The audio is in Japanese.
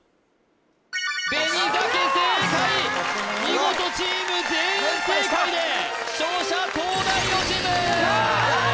見事チーム全員正解で勝者東大王チーム！